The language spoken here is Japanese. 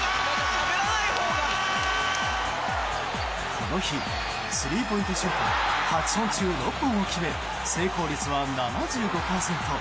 この日スリーポイントシュート８本中６本を決め成功率は７５％。